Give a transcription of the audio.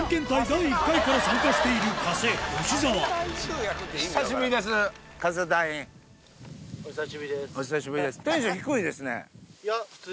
第１回から参加しているお久しぶりです。